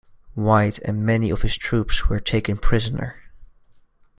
White and many of his troops were taken prisoner.